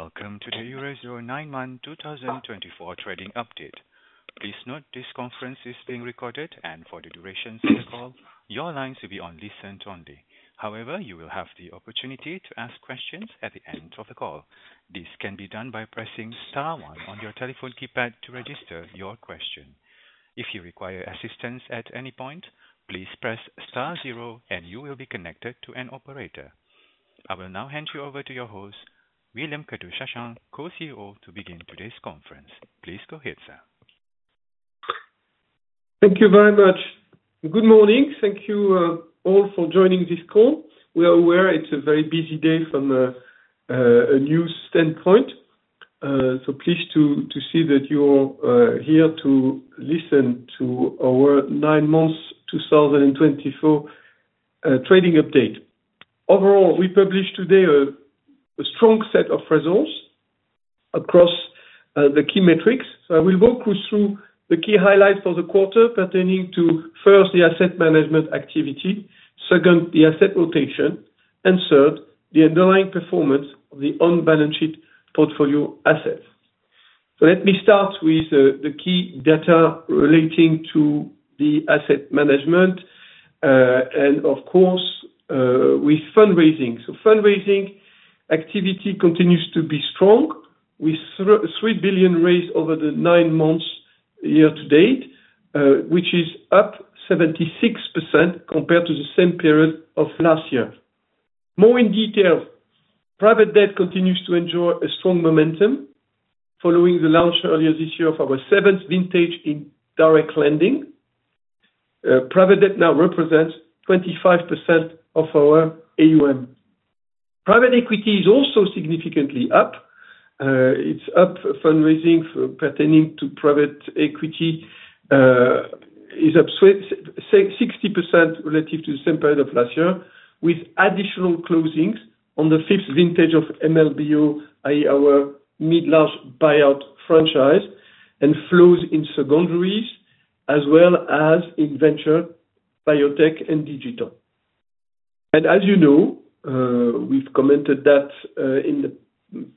Hello and welcome to the Eurazeo September 01, 2024 Trading Update. Please note this conference is being recorded, and for the duration of the call, your line should be on listen only. However, you will have the opportunity to ask questions at the end of the call. This can be done by pressing star one on your telephone keypad to register your question. If you require assistance at any point, please press star zero, and you will be connected to an operator. I will now hand you over to your host, William Kadouch-Chassaing, Co-CEO, to begin today's conference. Please go ahead, sir. Thank you very much. Good morning. Thank you all for joining this call. We are aware it's a very busy day from a news standpoint, so pleased to see that you are here to listen to our September 1, 2024 trading update. Overall, we published today a strong set of results across the key metrics. So I will walk you through the key highlights for the quarter pertaining to, first, the asset management activity, second, the asset rotation, and third, the underlying performance of the balance sheet portfolio assets. So let me start with the key data relating to the asset management and, of course, with fundraising. So fundraising activity continues to be strong with 3 billion raised over the nine months year to date, which is up 76% compared to the same period of last year. More in detail, private debt continues to enjoy a strong momentum following the launch earlier this year of our seventh vintage direct lending. Private debt now represents 25% of our AUM. Private equity is also significantly up. Fundraising pertaining to private equity is up 60% relative to the same period of last year, with additional closings on the fifth vintage of MLBO, i.e., our mid-large buyout franchise, and flows in secondaries as well as in venture, biotech, and digital. And as you know, we've commented that in the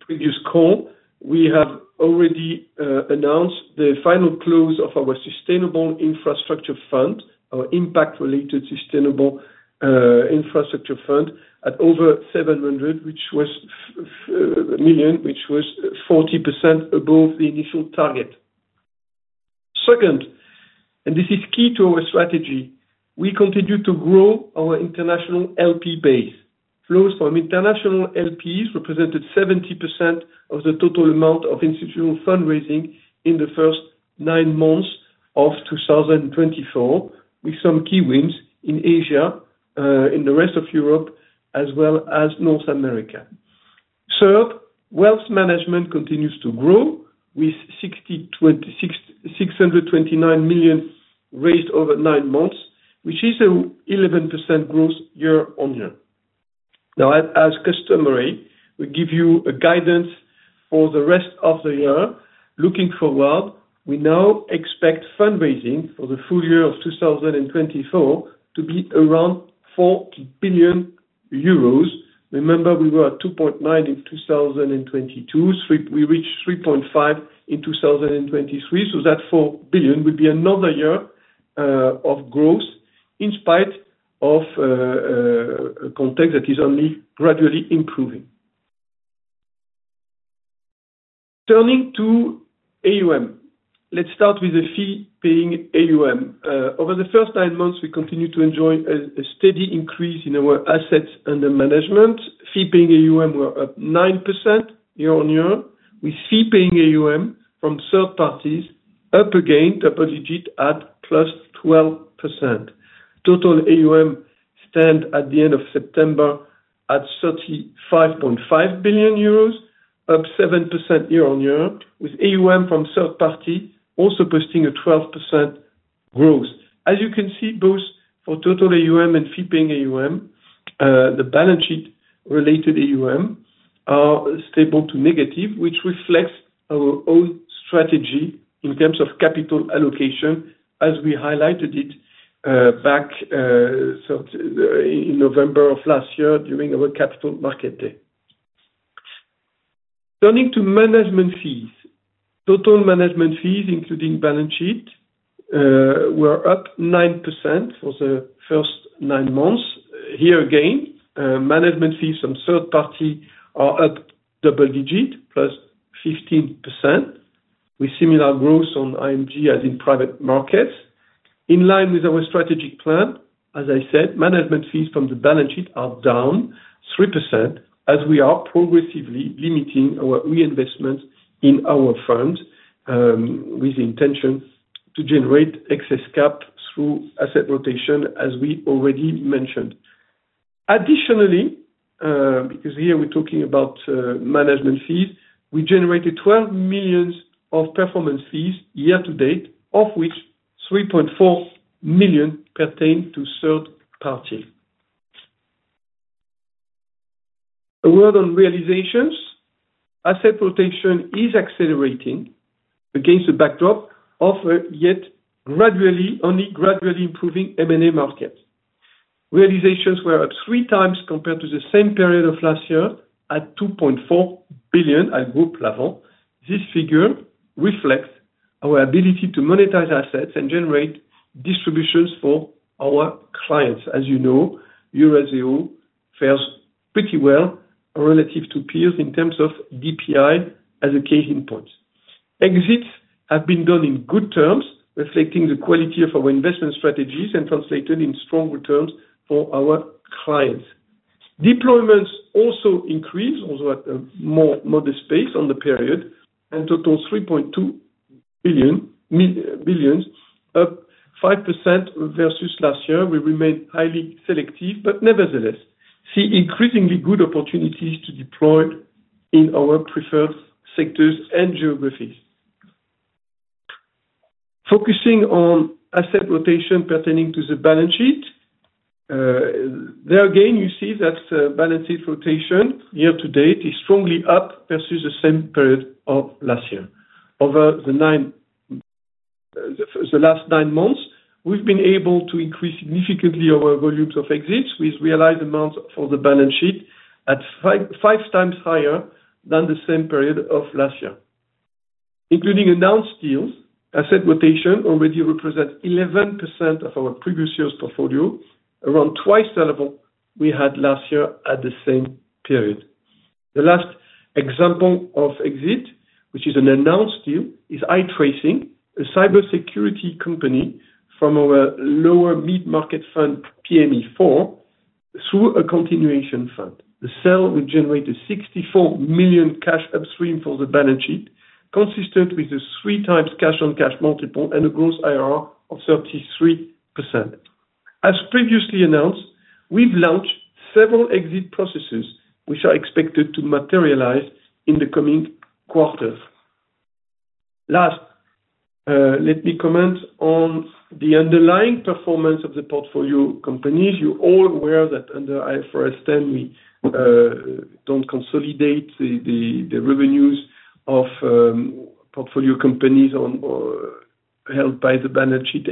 previous call, we have already announced the final close of our sustainable infrastructure fund, our impact-related sustainable infrastructure fund, at over 700 million, which was 40% above the initial target. Second, and this is key to our strategy, we continue to grow our international LP base. Flows from international LPs represented 70% of the total amount of institutional fundraising in the first nine months of 2024, with some key wins in Asia, in the rest of Europe, as well as North America. Third, wealth management continues to grow with 629 million raised over nine months, which is an 11% growth year on year. Now, as customary, we give you guidance for the rest of the year. Looking forward, we now expect fundraising for the full year of 2024 to be around 4 billion euros. Remember, we were at 2.9 billion in 2022. We reached 3.5 billion in 2023. So that 4 billion would be another year of growth in spite of a context that is only gradually improving. Turning to AUM, let's start with the fee-paying AUM. Over the first nine months, we continue to enjoy a steady increase in our assets under management. Fee-paying AUM were up 9% year on year, with fee-paying AUM from third parties up again, double-digit at plus 12%. Total AUM stands at the end of September at 35.5 billion euros, up 7% year on year, with AUM from third-party also posting a 12% growth. As you can see, both for total AUM and fee-paying AUM, the balance sheet-related AUM are stable to negative, which reflects our own strategy in terms of capital allocation, as we highlighted it back in November of last year during our Capital Market Day. Turning to management fees, total management fees, including balance sheet, were up 9% for the first nine months. Here again, management fees from third-party are up double-digit, plus 15%, with similar growth on IMG as in private markets. In line with our strategic plan, as I said, management fees from the balance sheet are down 3%, as we are progressively limiting our reinvestments in our funds with the intention to generate excess cash through asset rotation, as we already mentioned. Additionally, because here we're talking about management fees, we generated 12 million of performance fees year to date, of which 3.4 million pertain to third party. A word on realizations. Asset rotation is accelerating against the backdrop of a yet gradually, only gradually improving M&A market. Realizations were up three times compared to the same period of last year at 2.4 billion at group level. This figure reflects our ability to monetize assets and generate distributions for our clients. As you know, Eurazeo fares pretty well relative to peers in terms of DPI as a key endpoint. Exits have been done in good terms, reflecting the quality of our investment strategies and translated in stronger terms for our clients. Deployments also increased, although at a more modest pace on the period, and total 3.2 billion, up 5% versus last year. We remain highly selective, but nevertheless, see increasingly good opportunities to deploy in our preferred sectors and geographies. Focusing on asset rotation pertaining to the balance sheet, there again, you see that balance sheet rotation year to date is strongly up versus the same period of last year. Over the last nine months, we've been able to increase significantly our volumes of exits, with realized amounts for the balance sheet at five times higher than the same period of last year. Including announced deals, asset rotation already represents 11% of our previous year's portfolio, around twice that of what we had last year at the same period. The last example of exit, which is an announced deal, is iTracing, a cybersecurity company from our lower mid-market fund, PME4, through a continuation fund. The sale would generate 64 million cash upstream for the balance sheet, consistent with a three times cash-on-cash multiple and a gross IRR of 33%. As previously announced, we've launched several exit processes which are expected to materialize in the coming quarters. Last, let me comment on the underlying performance of the portfolio companies. You're all aware that under IFRS 10, we don't consolidate the revenues of portfolio companies held by the balance sheet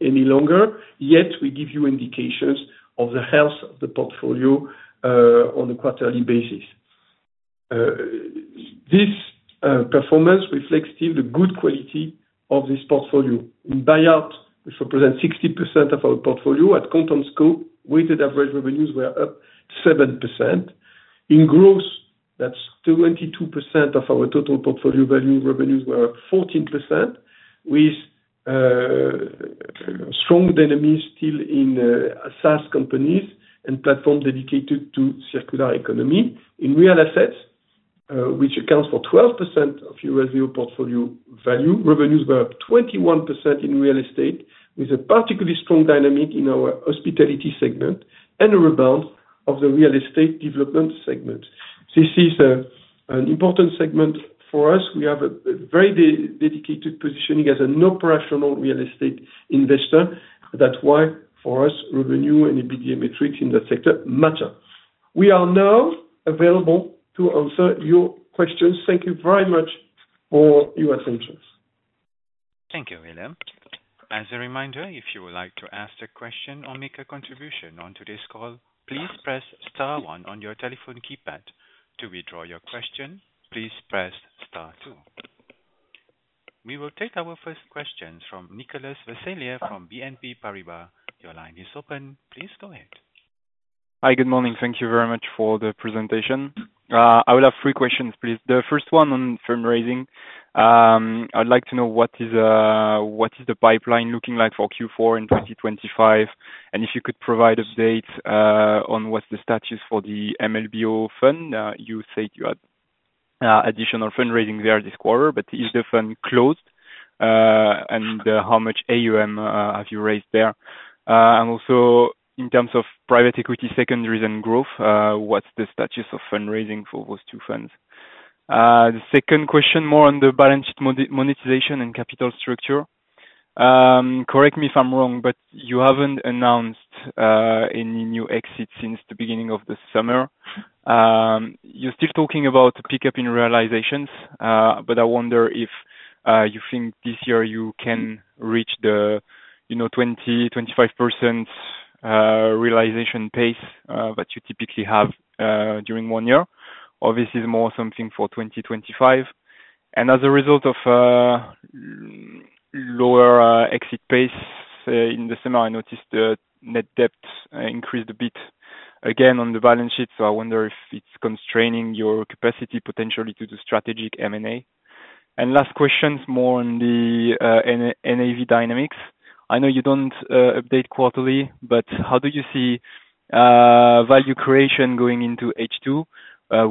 any longer. Yet, we give you indications of the health of the portfolio on a quarterly basis. This performance reflects still the good quality of this portfolio. In buyout, which represents 60% of our portfolio at content scope, weighted average revenues were up 7%. In gross, that's 22% of our total portfolio value. Revenues were up 14%, with strong dynamics still in SaaS companies and platforms dedicated to circular economy. In real assets, which accounts for 12% of Eurazeo portfolio value, revenues were up 21% in real estate, with a particularly strong dynamic in our hospitality segment and a rebound of the real estate development segment. This is an important segment for us. We have a very dedicated positioning as an operational real estate investor. That's why, for us, revenue and EBITDA metrics in that sector matter. We are now available to answer your questions. Thank you very much for your attention. Thank you, William. As a reminder, if you would like to ask a question or make a contribution on today's call, please press star one on your telephone keypad. To withdraw your question, please press star two. We will take our first questions from Nicolas Vasilieff from BNP Paribas. Your line is open. Please go ahead. Hi, good morning. Thank you very much for the presentation. I would have three questions, please. The first one on fundraising. I'd like to know what is the pipeline looking like for Q4 in 2025, and if you could provide updates on what's the status for the MLBO fund. You said you had additional fundraising there this quarter, but is the fund closed? And how much AUM have you raised there? And also, in terms of private equity secondaries and growth, what's the status of fundraising for those two funds? The second question, more on the balance sheet monetization and capital structure. Correct me if I'm wrong, but you haven't announced any new exits since the beginning of the summer. You're still talking about pickup in realizations, but I wonder if you think this year you can reach the 20%-25% realization pace that you typically have during one year, or this is more something for 2025? And as a result of lower exit pace in the summer, I noticed the net debt increased a bit again on the balance sheet, so I wonder if it's constraining your capacity potentially to do strategic M&A. And last question, more on the NAV dynamics. I know you don't update quarterly, but how do you see value creation going into H2?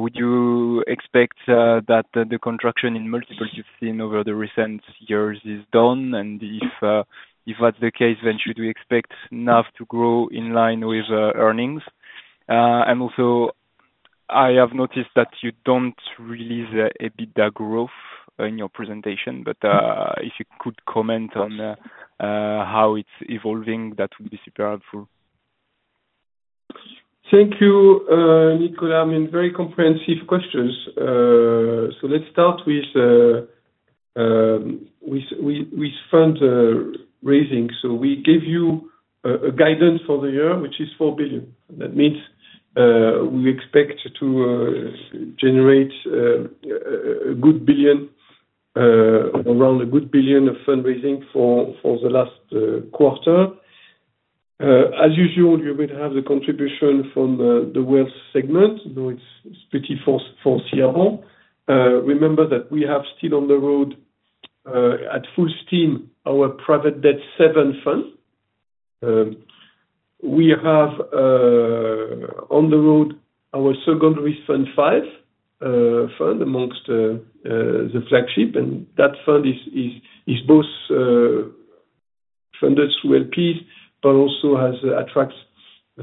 Would you expect that the contraction in multiples you've seen over the recent years is done? And if that's the case, then should we expect NAV to grow in line with earnings? I have noticed that you don't release EBITDA growth in your presentation, but if you could comment on how it's evolving, that would be super helpful. Thank you, Nicolas. I mean, very comprehensive questions. Let's start with fundraising. We gave you a guidance for the year, which is 4 billion. That means we expect to generate a good billion, around a good billion of fundraising for the last quarter. As usual, you will have the contribution from the wealth segment. It's pretty foreseeable. Remember that we have still on the road at full steam our private debt 7 fund. We have on the road our secondary fund 5 fund amongst the flagship, and that fund is both funded through LPs, but also attracts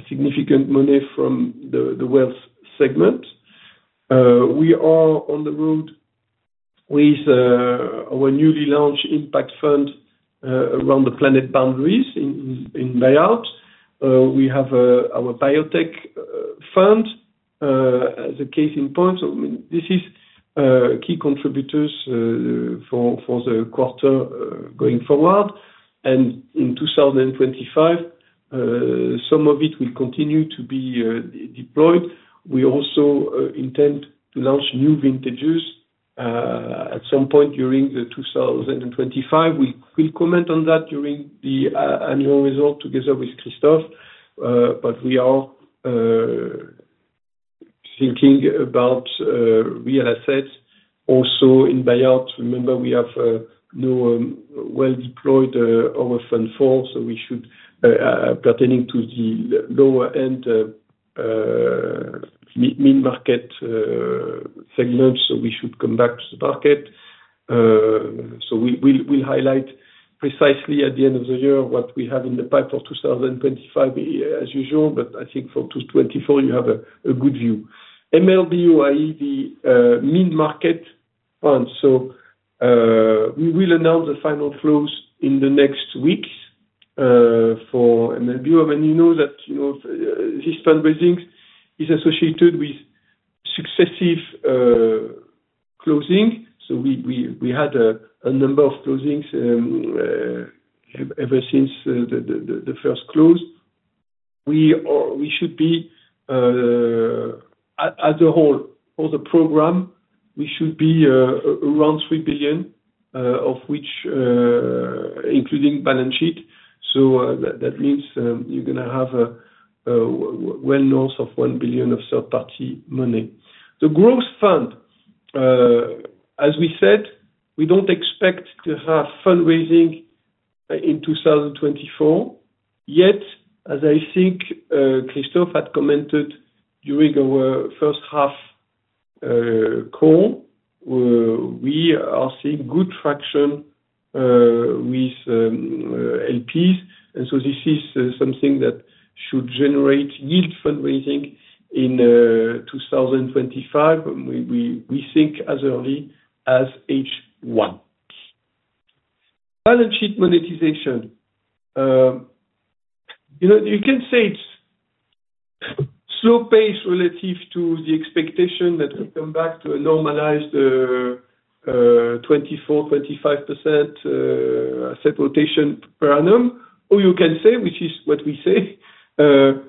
significant money from the wealth segment. We are on the road with our newly launched impact fund around the Planetary Boundaries in buyout. We have our biotech fund as a case in point. This is key contributors for the quarter going forward. In 2025, some of it will continue to be deployed. We also intend to launch new vintages at some point during 2025. We'll comment on that during the annual result together with Christophe, but we are thinking about real assets also in buyout. Remember, we have now well-deployed our fund 4, so we should, pertaining to the lower-end mid-market segment, come back to the market. We'll highlight precisely at the end of the year what we have in the pipe for 2025, as usual, but I think for 2024, you have a good view. MLBO, i.e., the mid-market fund. We will announce the final close in the next weeks for MLBO. You know that this fundraising is associated with successive closing. We had a number of closings ever since the first close. We should be, as a whole, for the program, we should be around 3 billion, including balance sheet. So that means you're going to have well north of 1 billion of third-party money. The growth fund, as we said, we don't expect to have fundraising in 2024. Yet, as I think Christophe had commented during our H1 call, we are seeing good traction with LPs. And so this is something that should generate real fundraising in 2025. We think as early as H1. Balance sheet monetization. You can say it's a slow pace relative to the expectation that we come back to a normalized 24%-25% asset rotation per annum, or you can say, which is what we say, it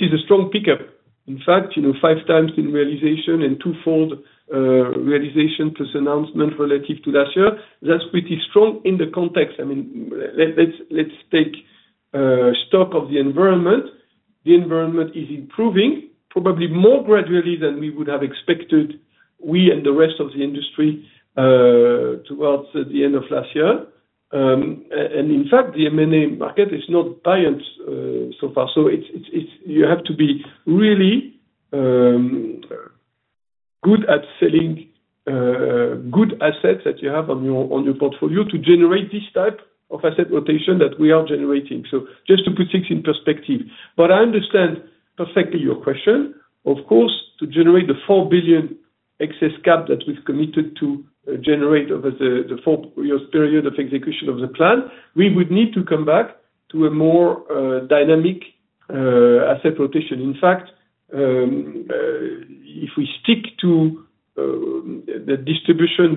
is a strong pickup. In fact, five times the realization and twofold the realization plus announcement relative to last year. That's pretty strong in the context. I mean, let's take stock of the environment. The environment is improving, probably more gradually than we would have expected, we and the rest of the industry towards the end of last year. And in fact, the M&A market is not buying so far. So you have to be really good at selling good assets that you have on your portfolio to generate this type of asset rotation that we are generating. So just to put things in perspective. But I understand perfectly your question. Of course, to generate the 4 billion excess cap that we've committed to generate over the four years period of execution of the plan, we would need to come back to a more dynamic asset rotation. In fact, if we stick to the distribution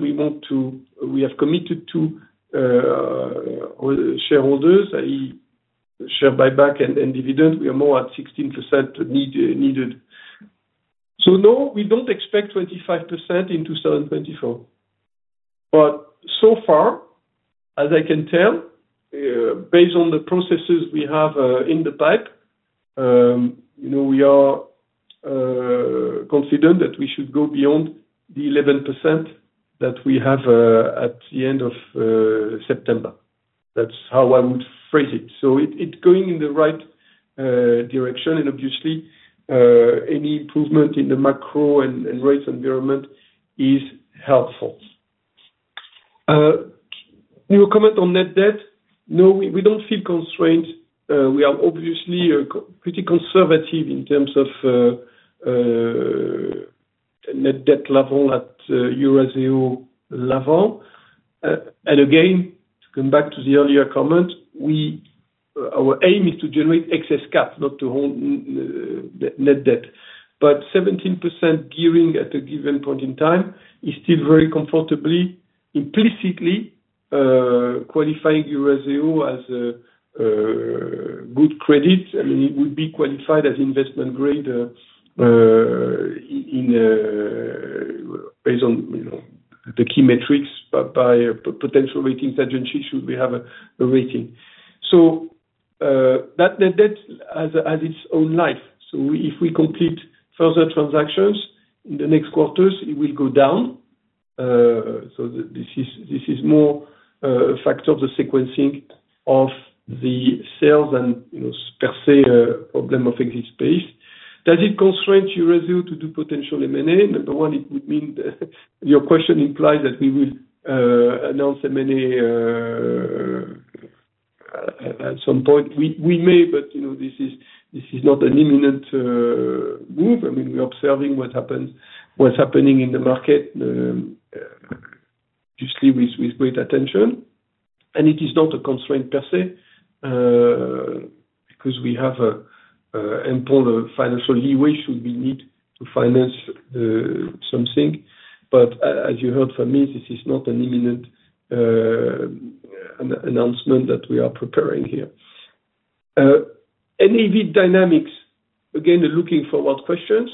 we have committed to shareholders, i.e., share buyback and dividend, we are more at 16% needed. So no, we don't expect 25% in 2024. But so far, as I can tell, based on the processes we have in the pipe, we are confident that we should go beyond the 11% that we have at the end of September. That's how I would phrase it. So it's going in the right direction. And obviously, any improvement in the macro and rates environment is helpful. Can you comment on net debt? No, we don't feel constrained. We are obviously pretty conservative in terms of net debt level at Eurazeo level. And again, to come back to the earlier comment, our aim is to generate excess cap, not to hold net debt. But 17% gearing at a given point in time is still very comfortably, implicitly qualifying Eurazeo as good credit. I mean, it would be qualified as investment grade based on the key metrics by a potential rating agency should we have a rating. So that net debt has its own life. So if we complete further transactions in the next quarters, it will go down. So this is more a factor of the sequencing of the sales and not a per se problem of exit space. Does it constrain Eurazeo to do potential M&A? Number one, it would mean your question implies that we will announce M&A at some point. We may, but this is not an imminent move. I mean, we're observing what's happening in the market, obviously, with great attention, and it is not a constraint per se because we have a financial leeway should we need to finance something, but as you heard from me, this is not an imminent announcement that we are preparing here. NAV dynamics, again, forward-looking questions.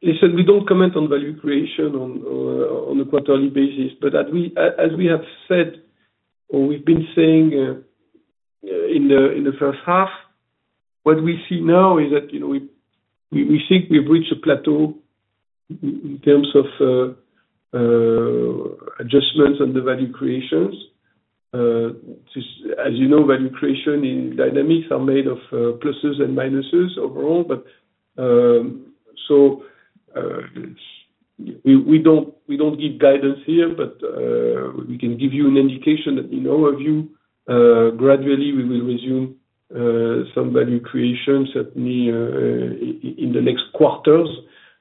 Listen, we don't comment on value creation on a quarterly basis. But as we have said, or we've been saying in the H1, what we see now is that we think we've reached a plateau in terms of adjustments on the value creations. As you know, value creation dynamics are made of pluses and minuses overall. So we don't give guidance here, but we can give you an indication that in our view, gradually, we will resume some value creation certainly in the next quarters.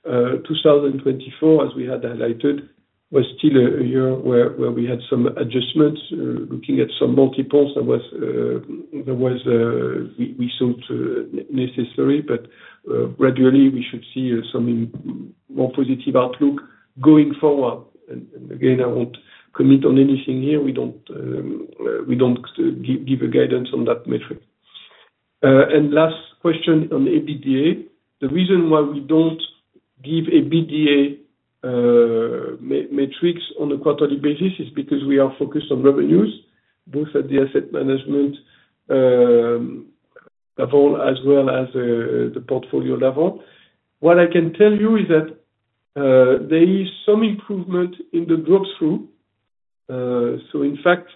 2024, as we had highlighted, was still a year where we had some adjustments. Looking at some multiples, there was a reset necessary, but gradually, we should see some more positive outlook going forward. And again, I won't comment on anything here. We don't give a guidance on that metric. And last question on EBITDA. The reason why we don't give EBITDA metrics on a quarterly basis is because we are focused on revenues, both at the asset management level as well as the portfolio level. What I can tell you is that there is some improvement in the drop-through. So in fact,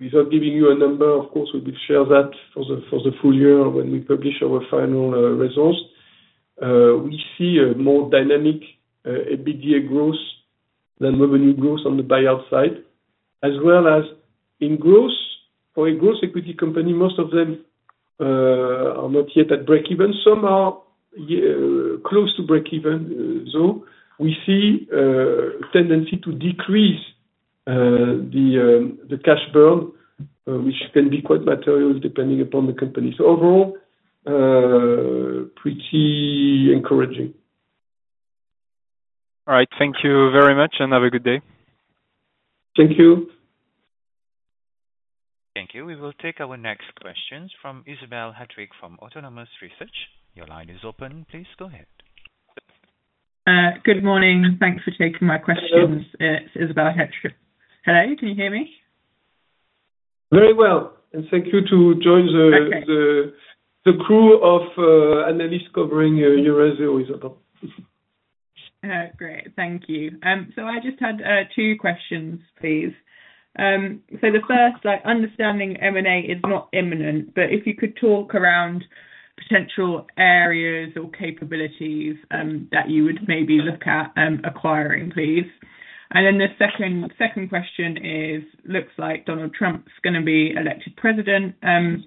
without giving you a number, of course, we will share that for the full year when we publish our final results. We see a more dynamic EBITDA growth than revenue growth on the buyout side, as well as in growth. For a growth equity company, most of them are not yet at break-even. Some are close to break-even. So we see a tendency to decrease the cash burn, which can be quite material depending upon the company. So overall, pretty encouraging. All right. Thank you very much and have a good day. Thank you. Thank you. We will take our next questions from Isabel Hattrick from Autonomous Research. Your line is open. Please go ahead. Good morning. Thanks for taking my questions. It's Isobel Hettrick. Hello. Can you hear me? Very well and thank you to join the crew of analysts covering Eurazeo, Isabel. Great. Thank you. So I just had two questions, please. So the first, understanding M&A is not imminent, but if you could talk around potential areas or capabilities that you would maybe look at acquiring, please. And then the second question looks like Donald Trump's going to be elected president. And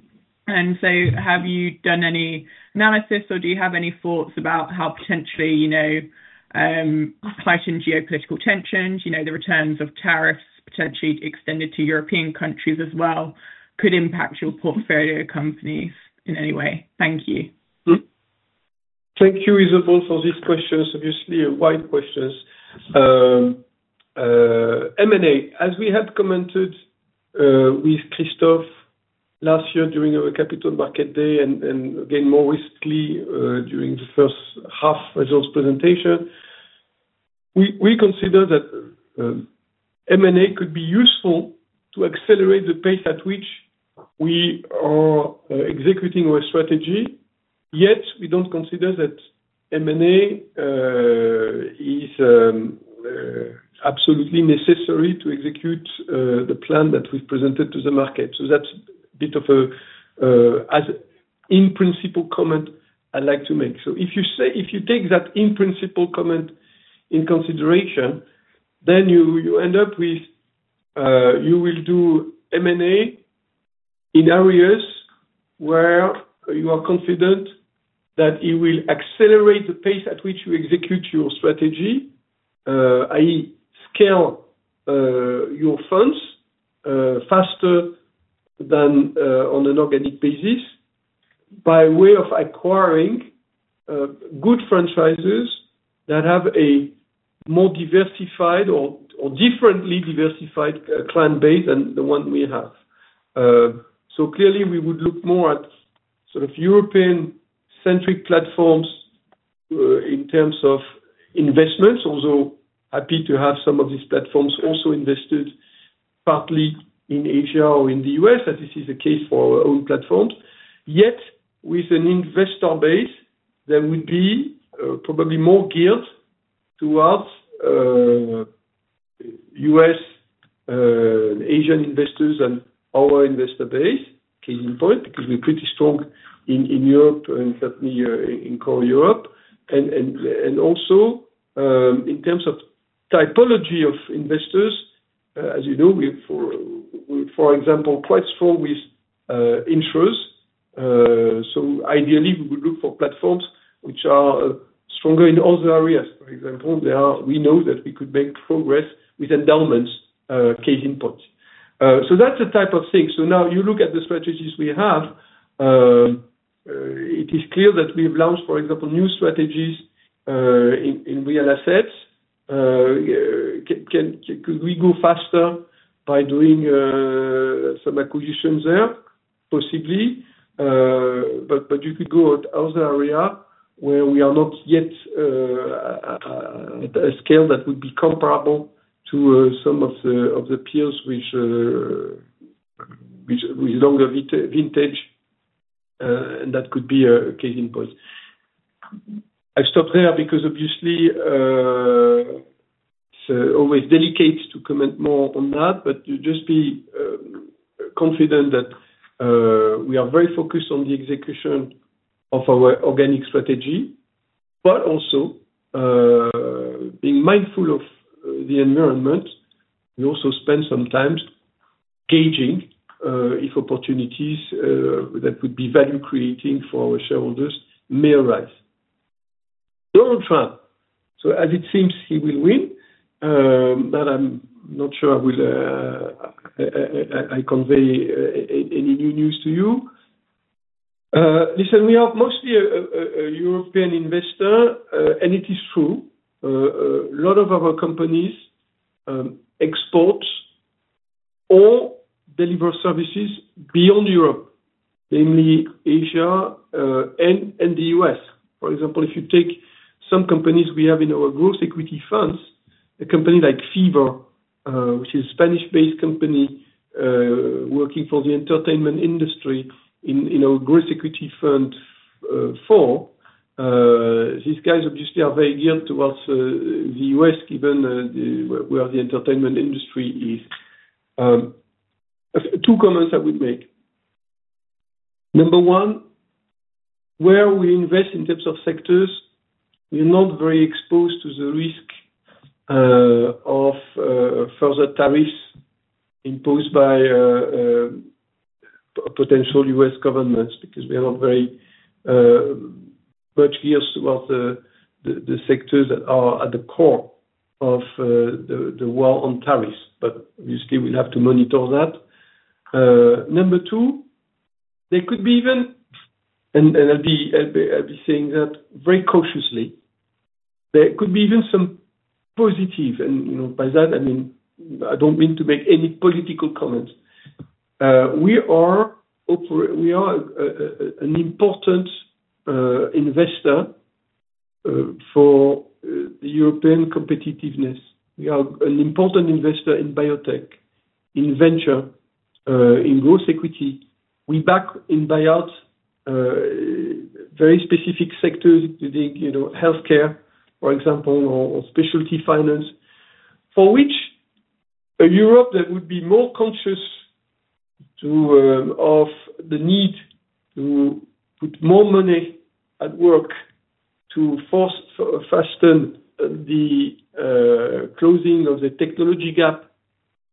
so have you done any analysis, or do you have any thoughts about how potentially heightened geopolitical tensions, the returns of tariffs potentially extended to European countries as well, could impact your portfolio companies in any way? Thank you. Thank you, Isabel, for these questions. Obviously, wide questions. M&A, as we had commented with Christophe last year during our capital market day and again, more recently during the H1 results presentation, we consider that M&A could be useful to accelerate the pace at which we are executing our strategy. Yet, we don't consider that M&A is absolutely necessary to execute the plan that we've presented to the market. So that's a bit of an in-principle comment I'd like to make. So if you take that in-principle comment into consideration, then you end up with you will do M&A in areas where you are confident that it will accelerate the pace at which you execute your strategy, i.e., scale your funds faster than on an organic basis by way of acquiring good franchises that have a more diversified or differently diversified client base than the one we have. So clearly, we would look more at sort of European-centric platforms in terms of investments, although happy to have some of these platforms also invested partly in Asia or in the US, as this is the case for our own platforms. Yet, with an investor base, there would be probably more geared towards US and Asian investors than our investor base, case in point, because we're pretty strong in Europe and certainly in core Europe. And also, in terms of typology of investors, as you know, we're, for example, quite strong with insurers. So ideally, we would look for platforms which are stronger in other areas. For example, we know that we could make progress with endowments, case in point. So that's the type of thing. So now you look at the strategies we have. It is clear that we have launched, for example, new strategies in real assets. Could we go faster by doing some acquisitions there? Possibly. But you could go to other areas where we are not yet at a scale that would be comparable to some of the peers with longer vintage, and that could be a case in point. I stopped there because obviously, it's always delicate to comment more on that, but just be confident that we are very focused on the execution of our organic strategy, but also being mindful of the environment. We also spend some time gauging if opportunities that would be value-creating for our shareholders may arise. Donald Trump. So as it seems, he will win, but I'm not sure I convey any new news to you. Listen, we are mostly a European investor, and it is true. A lot of our companies export or deliver services beyond Europe, namely Asia and the U.S. For example, if you take some companies we have in our growth equity funds, a company like Fever, which is a Spanish-based company working for the entertainment industry in our growth equity fund, these guys obviously are very geared towards the U.S., given where the entertainment industry is. Two comments I would make. Number one, where we invest in terms of sectors, we are not very exposed to the risk of further tariffs imposed by potential U.S. governments because we are not very much geared towards the sectors that are at the core of the world on tariffs. But obviously, we'll have to monitor that. Number two, there could be even, and I'll be saying that very cautiously, there could be even some positive. And by that, I mean, I don't mean to make any political comments. We are an important investor for the European competitiveness. We are an important investor in biotech, in venture, in growth equity. We back in buyouts very specific sectors including healthcare, for example, or specialty finance, for which a Europe that would be more conscious of the need to put more money at work to hasten the closing of the technology gap,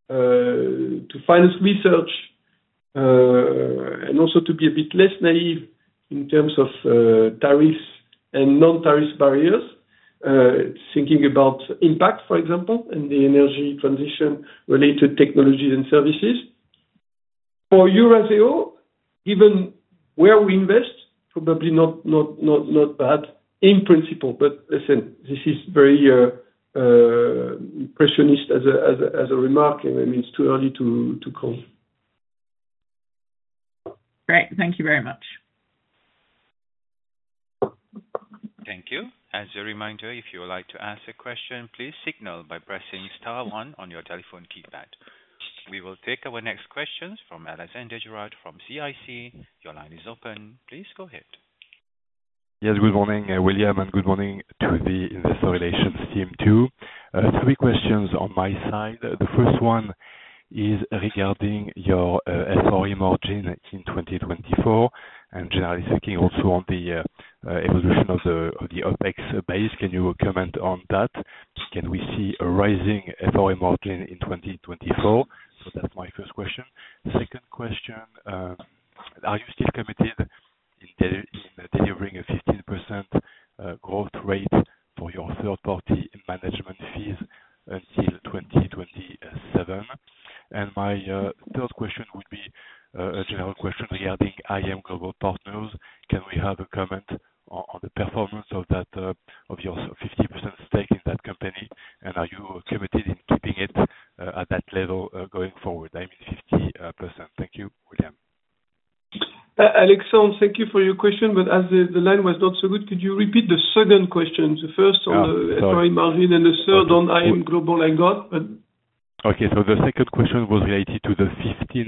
to finance research, and also to be a bit less naive in terms of tariffs and non-tariff barriers, thinking about impact, for example, and the energy transition-related technologies and services. For Eurazeo, given where we invest, probably not bad in principle. But listen, this is very impressionistic as a remark, and I mean, it's too early to call. Great. Thank you very much. Thank you. As a reminder, if you would like to ask a question, please signal by pressing star one on your telephone keypad. We will take our next questions from Alexandre Girard from CIC. Your line is open. Please go ahead. Yes, good morning, William, and good morning to the investor relations team too. Three questions on my side. The first one is regarding your FRE margin in 2024, and generally speaking, also on the evolution of the OPEX base. Can you comment on that? Can we see a rising FRE margin in 2024? So that's my first question. Second question, are you still committed in delivering a 15% growth rate for your third-party management fees until 2027? And my third question would be a general question regarding IM Global Partners. Can we have a comment on the performance of your 15% stake in that company? And are you committed in keeping it at that level going forward? I mean, 50%. Thank you, William. Alexandre, thank you for your question, but as the line was not so good, could you repeat the second question, the first on the FRE margin and the third on IM Global I got? Okay. So the second question was related to the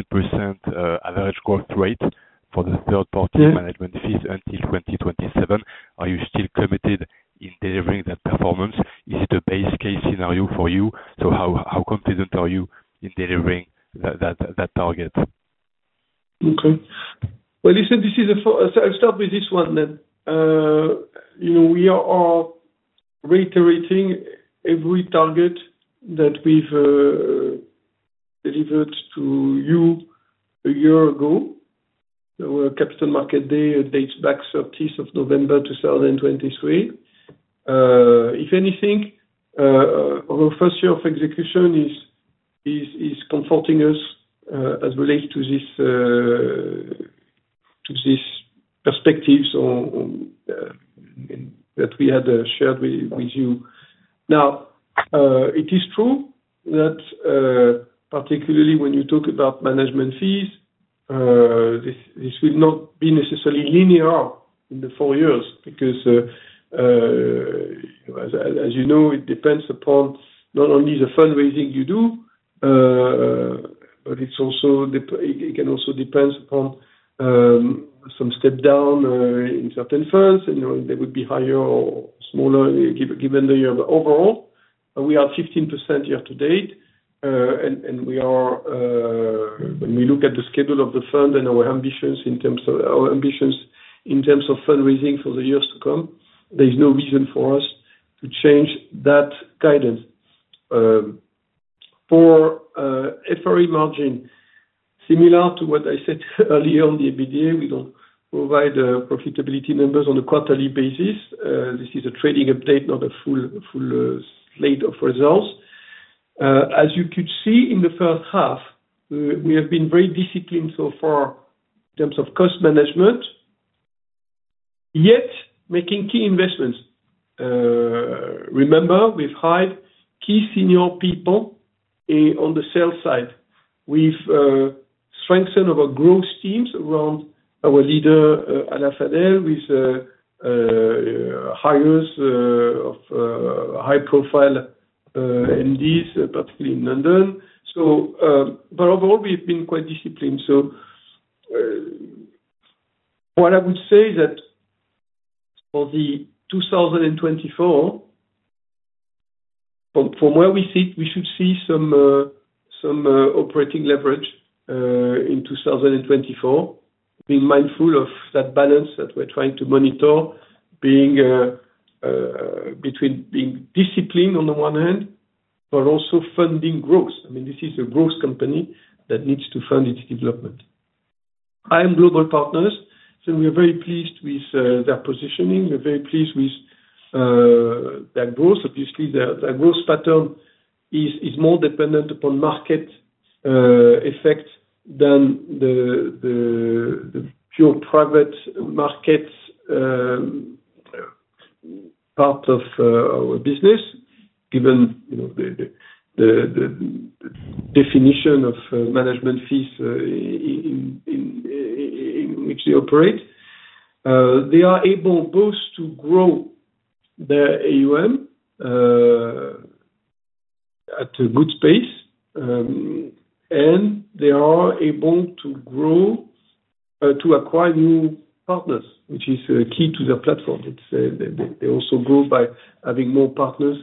15% average growth rate for the third-party management fees until 2027. Are you still committed in delivering that performance? Is it a base case scenario for you? So how confident are you in delivering that target? Okay. Well, listen, I'll start with this one then. We are reiterating every target that we've delivered to you a year ago. Our Capital Market Day dates back 30th of November 2023. If anything, our first year of execution is comforting us as relates to this perspective that we had shared with you. Now, it is true that particularly when you talk about management fees, this will not be necessarily linear in the four years because, as you know, it depends upon not only the fundraising you do, but it can also depend upon some step down in certain funds, and they would be higher or smaller given the year. But overall, we are 15% year to date, and when we look at the schedule of the fund and our ambitions in terms of fundraising for the years to come, there is no reason for us to change that guidance. For FRE margin, similar to what I said earlier on the EBITDA, we don't provide profitability numbers on a quarterly basis. This is a trading update, not a full slate of results. As you could see in the H1, we have been very disciplined so far in terms of cost management, yet making key investments. Remember, we've hired key senior people on the sales side. We've strengthened our growth teams around our leader, Alaa Halawa, with hires of high-profile MDs, particularly in London. But overall, we've been quite disciplined. What I would say is that for 2024, from where we sit, we should see some operating leverage in 2024, being mindful of that balance that we're trying to monitor between being disciplined on the one hand but also funding growth. I mean, this is a growth company that needs to fund its development. IM Global Partners, so we're very pleased with their positioning. We're very pleased with their growth. Obviously, their growth pattern is more dependent upon market effect than the pure private market part of our business, given the definition of management fees in which they operate. They are able both to grow their AUM at a good pace, and they are able to acquire new partners, which is key to their platform. They also grow by having more partners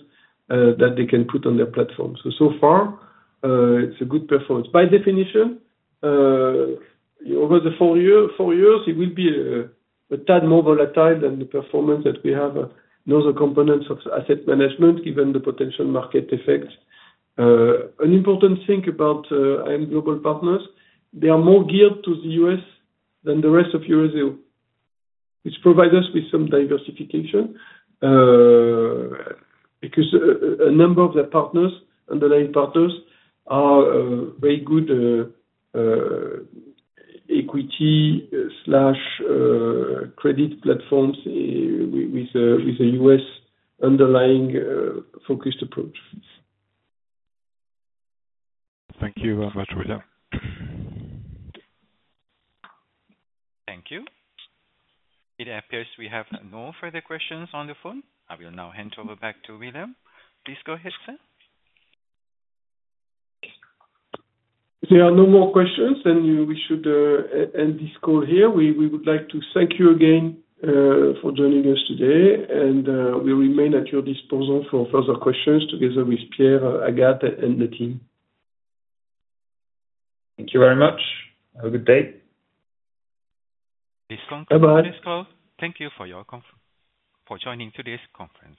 that they can put on their platform. So far, it's a good performance. By definition, over the four years, it will be a tad more volatile than the performance that we have in other components of asset management, given the potential market effects. An important thing about IM Global Partners, they are more geared to the U.S. than the rest of Eurazeo, which provides us with some diversification because a number of their partners, underlying partners, are very good equity/credit platforms with a U.S. underlying focused approach. Thank you very much, William. Thank you. It appears we have no further questions on the phone. I will now hand over back to William. Please go ahead, sir. If there are no more questions, then we should end this call here. We would like to thank you again for joining us today, and we'll remain at your disposal for further questions together with Pierre, Agathe, and the team. Thank you very much. Have a good day. This conference. Bye-bye. Thank you for joining today's conference.